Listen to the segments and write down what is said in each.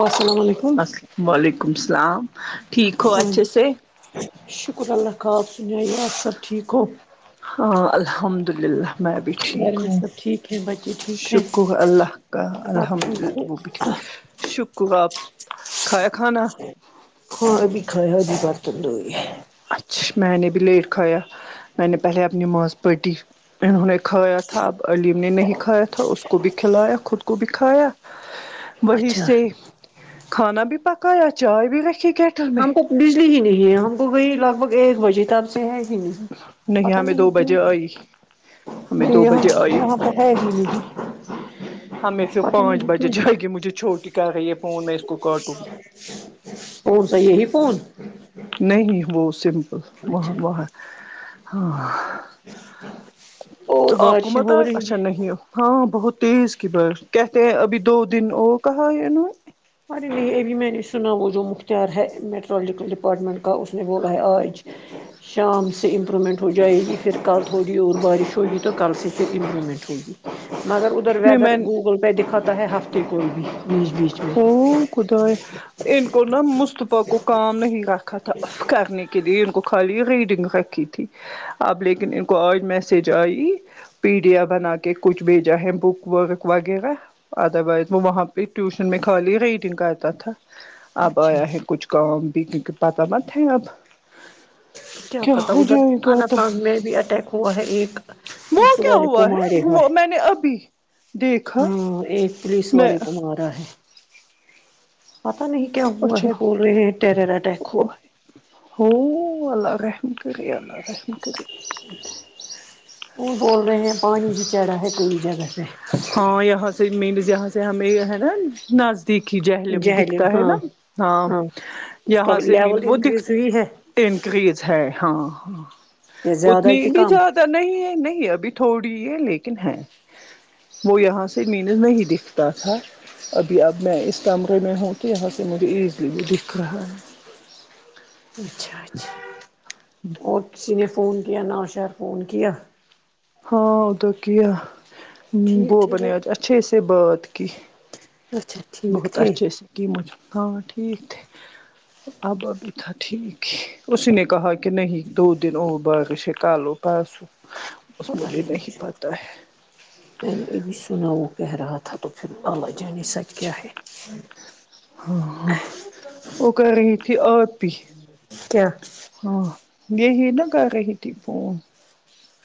السلام علیکم وعلیکم اللام ٹھیک ہو ہاں جی اچھے سے شکر اللہ خا آاب سن یہ آپ سب ٹھیک ہو ہاں الحمد للہ میں بھی گھر ٹھیک میں ہوں سب ٹھیک ہے بچے ٹھیک ہیں شکر اللہ کا سب الحمد ٹھیک ہے للہ وہ بھی ٹھیک شکر آپ کھایا کھانا ہاں بھی کھا ہو بھی برتن دوئی ہے [unintelligible] اچھا میں نے بھی لیٹ کھایا میں نے پہلے اپنی نماز پٹی انہوں نے کھایا تھا اب علیم نے نہیں کھایا تھا اس کو بھی کھلایا خود کو بھی کھایا وہی اچھا سے کھانا بھی پکایا چائے بھی رکھی گ ہم تو بجلی ہی نہیں ہے ہم کو وہی لگ بھگ ایک بجے تب سے ہے ہی نہیں پت ہمیں نہیں دو کیوں بجے آئی ہمیں ج دو بجے آئی وہاں پ ہے گ ددی [inaudible] ہمیں پھر پانچ بجے جائے گی مجھے چھوٹی کر رہی یہ فون میں اس کو کاٹوں فون صحی ہے ہی فون [inaudible] نہیں وہ سمپل ب اچھا وہر ہاں [inaudible] اور تو آپ کو بارشیں مت ہے ہو رہی اچھا نہیں ہو ہاں بہت تیز کی برف کہتے ہیں ابھی دو دن وہ کہا انہوں ارے نہیں ابھی میں نے سنا وہ جو مختیار ہے میٹرالوجیکل ڈپارٹمنٹ کا اس نے بولا ہے آج شام سے امپرومنٹ ہو جائے گی پھر کل تھوڑی اور بارش ہوگی تو کل سے پھر امپرومنٹ ہوگی مگر ادھر نہیں ویدر میں گوگل پہ دکھاتا ہے ہفتے کو بھی بیچ بیچ میں [inaudible] ان کو نا مصطفی کو کام نہیں رکھا تھا کرنے کے لیے ان کو خالی ریڈنگ رکھی تھی اب لیکن ان کو آج میسج آئی پی ڈیاف بنا کے کچھ بھی جائے بک وک وغیرہ ادر وائز وہ وہاں پہ ٹیوشن ان میں خالی ریڈنگ آتا تھا اب اچھا آیا ہے کچھ کا بی کی پتہ پ خیاپ کیا پتا ادھر کان گا تو پانگ میں بھی اٹیک ہوا ہے ایک اس وہ س کیا والے ک ہوا ہے مارے ہو وہ ابھی دیکھا ہاں ایک پولیس میں والے کو مارا ہے پتا نہیں کیا ہوا اچھا ہے بول رہے ہیں ٹیرر اٹیک ہوا ہے ہو اللہ رحم کری اللہ رحم کری وہ بول رہے ہیں پانی بھی چڑھا ہے کئی جگہ پہ ہاں یہاں سے مینز یہاں سے ہمیں ہے نا نز تھی جہلم جہلیم دکھتا ہے ہاں نا ہاں اس کا یہاں سے مین لیول وہ دکھ انکریز ہوئی ہے انکریز ہے ہاں ہاں یا زیادہ اتنی کہ بھی کم زیادہ نہیں ہے نہیں ابھی تھوڑی ہے لیکن ہے وہ یہاں سے مینز نہیں دکھتا تھا ابھی اب میں اس کمرے میں ہوں تو یہاں سے مجھے ایزلی وہ دکھ رہا ہے اچھا اچھا اور کسی نے فون کیا نام شہر فون کیا ہاں ا تو کیا ہے ٹھیک تھے گوبر وہ نے آج اچھے سے بات کی اچھا ٹھیک بہت تھے اچھے سے مجب ہاں ٹھیک ت اب آب تھا ٹھیک اس نے کہا کہ نہیں دو دن ہو باغشے کالو پاسو میں نے یہ بھی سنا وہ کہہ رہا تھا تو شھر اللہ جانی ست کیا ہے ہاں ہ وہ کر رہی تھی آپ بھی کیا ہاں یہ ہی نہا گ رہ ہی تھی فون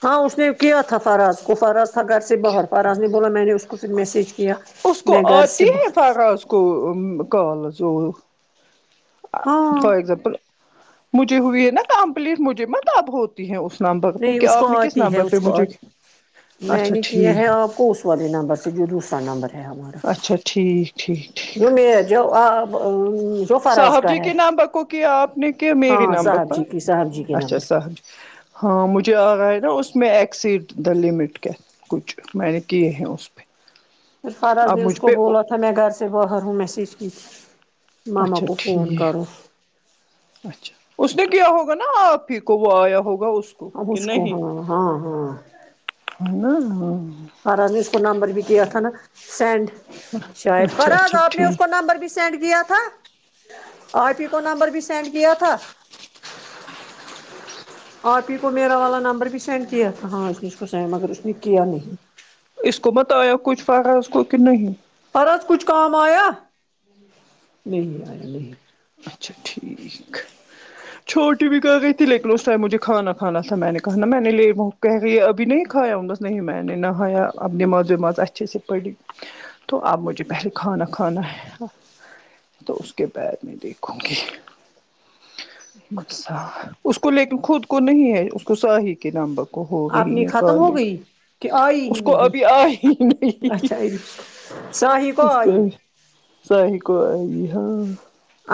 ہاں اس نے کیا تھا فراز کو فراز تھا گھر سے باہر فراز نہیں بولا میں نے اس کو پھر میسج کیا اس کو میں گھر آتی سے ب ہے فراز کو کال ور ہاں فار اگزامپل مجھے ہوئی نا کمپلیٹ مجھے م دب ہو ہیں اس نمبر پہ نہیں کہ اس کو آپ نے کس آتی ہے نمبر پہ اس کو مجھے آتی میں اچھا نے کیا ہے ٹھیک آپ کو اس والے نمبر سے جو دوسا نمبر اچھا ٹھیک ٹھیکٹھیک جوم جو آ صاحب جی کے نامبر کو کیا آپ نے کیا میرے ہاں نامبر صاحب پر جی کی صاحب جی کے اچھا نمبر کو صاحب جی ہاں مجھے آ رہا ہے نا اسس میں ایک سٹ دا لمٹ کیا کچھ میں نے کیے ہیں اس پہ پھر فرض اب نے اس مجھ کو پہ بولا تھا میں گھر سے باہر ہوں میسیج کی تھی ماما اچھا کو فون کرو ٹھیک اچھا اس نے کیا ہوگا نا آپ ہی کو وہ آیا ہوگا اب کہ اس نہیں کو ہی ہاں ہاں ہاں ہے نا فر آض نے اس کو نمبر بھی کیا تھا نا سینڈ شاید فر اچھا آض اچھا آپ نے اس ٹھیک کو نمبر بھی سینڈ کیا تھا آر پی کو نمبر بھی سینڈ کیا تھا ھم آرپ ہی کو میرا والا نمبر بھی سینڈ کیا تھا ہاں اس نے اس کو سینڈ مگر اس نے کیا نہیں اس کو بت آیا کچھ فقہ اس کو کہ نہیں پر ا کچھ کام آیا نہیں آیا نہیں اچھا ٹھیک چھوٹی بھی کہ گئی تھی لیکن اس ٹائم مجھے کھانا کھانا تھا میں نے کہا نا میں نے لے بہ کہ کے یہ ابھی نہیں کھایا انس نہیں میں نے نہایا اب نماز وماز اچھے سے پڑھی تو اب مجھے پہلے کھانا کھانا ہے تو اس کے بعد میں دیکھوں گی خدا یار اس کو لیکن خود کو نہیں ہے اس کو شاہی کے نامب ہو آپ نے رہی ہے ختم ہو کالنگ گئی کہ آئی ہی اس کو نہیں ابھی آ ہی نہیں اچھا ساہی کو اس آئی ساہ کو آئی ہاں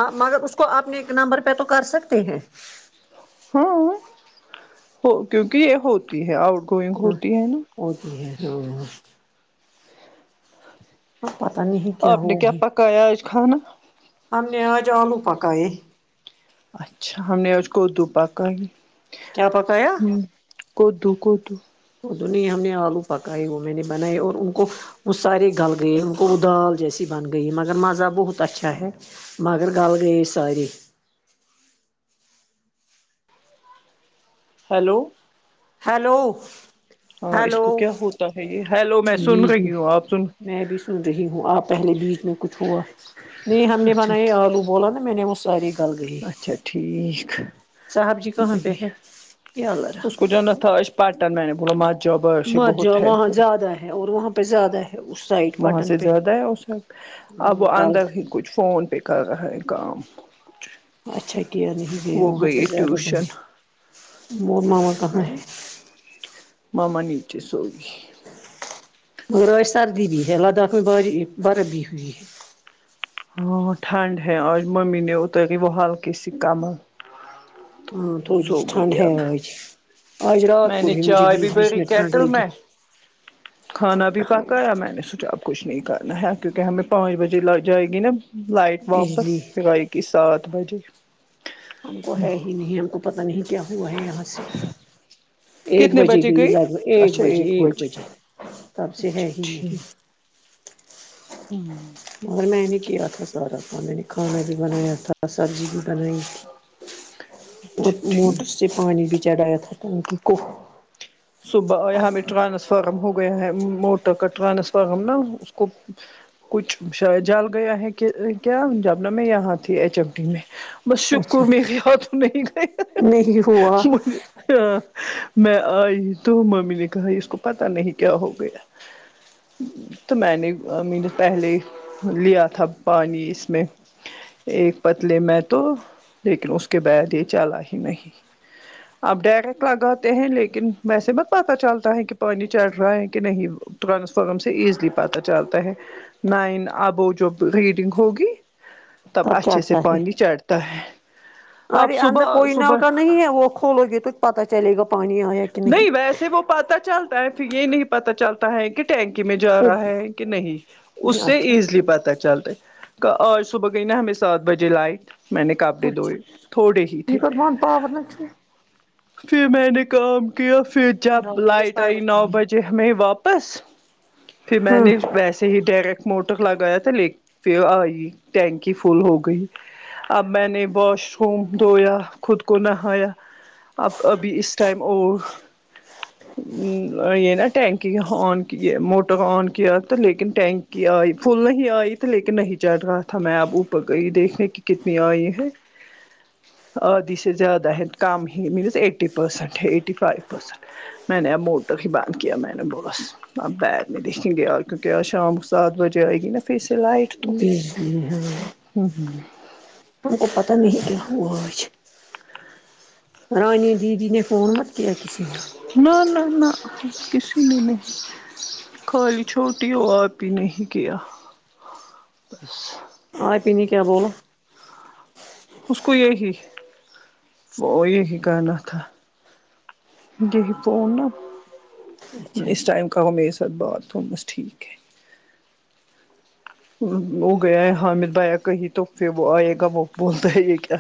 آپ مگر اس کو اپنے ایک نمبر پہ تو کر سکتے ہیں ہاں کیونکہ یہ ہوتی ہے آؤٹ گوئنگ ہ ہوتی ہے نا وہ تو ہے ہاں ہاں پتا نہیں کیا ہوا ہے قیاچ خانہ ہم نے آج آلو پکا ہے اچھا ہم نے آج کو اردو پکا ہی کیا پکا کدو کدو ا تو نہیں ہم نے آلو پکائے وہ میں نے بنائے اور ان کو وہ سارے گل گئے ان کو وہ دال جیسی بن گئی مگر مزہ بہت اچھا ہے مگر غل گ ساریاری ہیلو ہیلو ہلو تو ہےگ ہیلو میں سن بیس رہی میں ہوں آپ سن میں بھی سن رہی ہوں آپ پہلے بیچ میں کچھ ہوا نہیں ہم نے اچھا بناائے آلو بولا نا میں نے وہ ساری اچھا ٹھیک صاحب جی کہاں پہ ہے یا اللہ اس کو رحم جو ہے ن تھا اس پاٹن میں نے ب م مج وہاں زیادہ ہے اور وہاں پہ زیادہ ہے سائڈ وہاں سے پٹن پہ زیادہ ہے اس وقت اب وہ ہاں کل اندر ہی کچھ فون پہ کر رہا ہے کام اچھا کیا نہیں گ وہ وہاں پہ گئی زیادہ بہت ٹیوشن مول ما کہاں ہے ممنیٹی سوئیی مغ راش سردی ب ہے ہے لداخ میں ب بر ب ہووی ہے ٹھنڈ ہ آج ممی ن اوتۂ گ وہ ہلکے س کمل ہاں تھوڑی جی ٹھنڈ ہے اب وہ آج رات میں کو نے بھی مجھے چائے بیس بیس بری منٹ ٹھنڈ کیٹل لگ گی میں کھانا بھی پکایا میں نے س کچھ نہیں کرنا ہے کیونکہ ہمیں پانچ بجے جائے گی نا لائٹ واپس بجلی پ آائےی کہ سات بجے ہم کو ہے ہی نہیں ہم کو پتہ نہیں کیا ہوا ہے یہاں سے ایک بجے گ لگ بھگ ایک بجے ایک بجے تب سے ہے اچھا ہی نہیں ہوں مگر میں نے کیا تھا سارا کا میں نے کھانا بھی بنایا تھا سبزی بھی بنائی تھی اور اچھا موٹ ٹھیک سے [inaudible] اس پانی بھی چڑایا تھا ٹنکی کو صبح یہاں پ ٹرانسفارم ہو گیا ہے موٹر کا ٹرانسفارم نا اس کو کچھ جال گیا ہے کہ کیا جابنا میں یہاں تھی ایچ ایم ڈٹی میں بس شکر اچھا میرے ہاتھوں نہیں گئے نہیں ہوا م [inaudible] میں آئی تو ممی نے کہا اس کو پتا نہیں کیا ہو گیا ج [inaudible] تو میں نے م نے پہلے لیا تھا پانی ا میں [unintelligible] ایک پتلے میں تو لیکن اس کے بعد یہ چال ہی نہیں اب ڈائریکٹ لگاتے ہیں لیکن ویسے مت پتاہ چلتا ہے کہ پانی چڑھ رہا ہے کہ نہیں ٹرانسفارم سے ایزلی پت چلتا ہے نائن ابو ج ریڈنگ ہوگی تب اچھے سے چڑھتا ہے پانی چڑھتا ہے ارے آپ اندر صبح کوئی نل صبح کا نہیں ہے وہ کھولو گے تو پتا چلے گا پانی آیا کہ نہیں پتا چلتا ہے پھر یہ نہیں پتا چلتا ہے کہ ٹینکی میں جا او رہا ہے کہ نہیں اس سے اچھا ایزلی اچھا پتا چلتا آج صبح گئی نا ہمیں سات بجے لائٹ میں نے کاپڑے اچھا دوئے تھوڑے ہی یہ تھے کر بند پاور نا چھوی پھر میں نے کا و فو جب لائٹ آے نو بجے ہم واپس پھر میں ہاں نے ویسے سے ہی ڈائریکٹ موٹر لگایا تو لے پ آئی ٹینکی فل ہو گئی اب میں نے واش روم دھویا خود کو نہایا اب ابھی اس ٹائم اور [inaudible] یہ نا ٹینکی آن کیے موٹر آن کیا تو لیکن ٹینکی کہ آئی پل نہیں آئی تھی لیکن نہیں چڑھ رہا تھا میں اپ اوپرئی دیکھنے کہ کتنی آئی ہے ج [inaudible] عادی سے زیادہ ہیںیں کم ہی مینز ایٹی پ پرسنٹ ایٹی فائیو پ پرسنٹ میں نے اب موٹر ہی بند کیا میں نے بس اب بییر میں لکھیں گےار کیونکہ آج شام سات بجے آئے گی نا پی سے لائٹ تو بجلی ہ ہ ان کو پتا نہیں کیا ہوش [unintelligible] رانی دیدی ن فونمت کیا کسی نہ نہ نہ کسی نہیں نہیں [unintelligible] خالی چھوٹی ہو آپ ہی نہیں کیا بس آ پی نہیں کیا بول [unintelligible] اس کو یہی وہ یہی کرنا تھا [unintelligible] یہ فون نا اچھا اسس اچھا ائم کر م ساتھ بات تھس ٹھیک ہے وہ گیا ہے حامد بایا کہیں تو پھر وہ آئے گا وہ بولتا ہے یہ کیا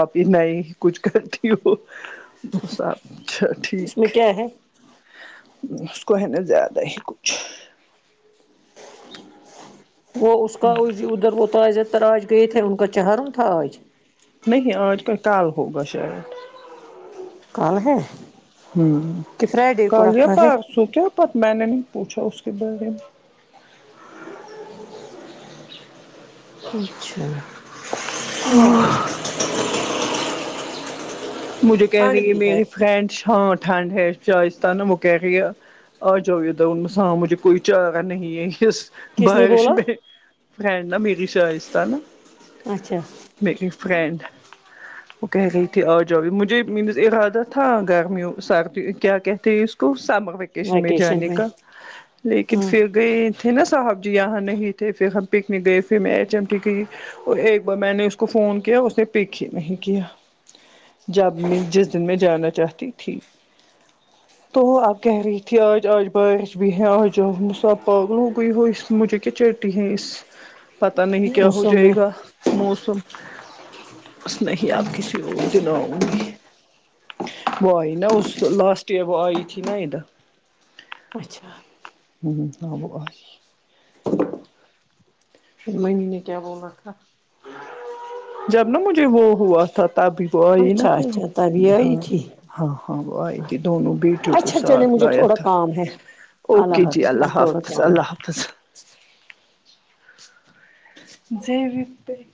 آپ انا ہی کچھ کرتی ہو سبچا اس میں ٹھیک [unintelligible] کیا ہے اس کو ہے نا زیادہ ہی کچھ تو اس کا ادھر ہوتا ادھر اج گئے تھے ان کا چاروں تھا اج نہیں آج کا کال ہوگا شاید کل ہے ہ کہ فرائیڈے کو کالجیا رکھا ہے پرار سو کیا پت میں نے نے پوچھا اس کے بارے میں اچھا مجھے کہہ ٹھنڈ رہی ہے بھی میری فرینڈس ہاں ٹھنڈ ہے جو آہستہ نا وہ کہہ رہی ہے آ جاؤے دا انسان مجھے کوئی چائےگر نہیں ہے اسس کس نے بش بولا میں فڈ نا میری شائستہ نا اچھا میری فرینڈ وہ کہہ رہی تھی اور چ مجھے مینز ارادہ تھا گرمیوں سردی کیا کہتے ہیں اس کو سمر یشن میں جانے کا لیکن ہاں پھر گئے تھے نا صاحب جی یہاں نہیں تھے پھر ہم پکنک گئے پھر میں ای چم ٹی گئی اور ایک بار میں نے اس کو فون کیا اس نے پک ہی نہیں کیا جب میں جس دن میں جانا چاہتی تھی [inaudible] تو اب کہہ رہی تھی آج آج بارش بھی ہے آج مسب پاگل ہو گئی ہو مجھے کی چیٹی ہے اس [inaudible] پتا نہیں کیا ہو موسوں جائے میں گا موسم بس نہیں آپ کسی اور دیں آؤنگی وہ آئی نا اس لاسٹ ایئر وہ آئی تھی نا ادھر اچھا [unintelligible] [inaudible] پھر میںنے کیا بولا تھا جب نا مجھے وہ ہوا تھا تب توئی نا اچھا پھر اچھا تبھی آئی ہاں تھی ہاں ہاں وہ آئی تھی دونوں بیٹیوں کو اچھا چلے ساتھ مجھے لایا تھوڑا تھا کام ہے اوکے جی حافظ اللہ مجھے تھوڑا حافظ کام ہے اللہ حافظ [unintelligible] [inaudible]